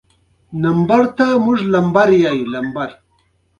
د پښتو ژبې يو مشر ليکوال